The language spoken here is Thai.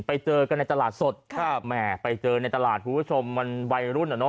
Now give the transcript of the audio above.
ไปเจอกันในตลาดสดครับแหมไปเจอในตลาดคุณผู้ชมมันวัยรุ่นอ่ะเนอ